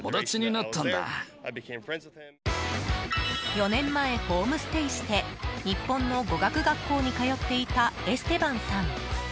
４年前、ホームステイして日本の語学学校に通っていたエステバンさん。